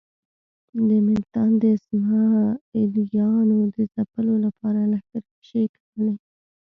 د ملتان د اسماعیلیانو د ځپلو لپاره لښکرکښۍ کولې.